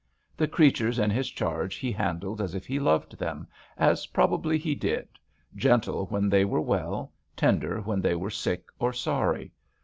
The creatures in his charge he handled as if he loved them, as probably he did, gentle when they were well, tender when they were sick or sorry.